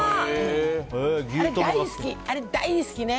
あれ、大好きね。